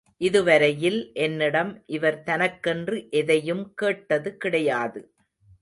இதுவரையில் என்னிடம் இவர் தனக்கென்று எதையும் கேட்டது கிடையாது.